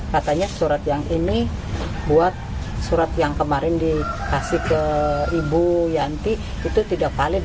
katanya surat yang ini buat surat yang kemarin dikasih ke ibu yanti itu tidak valid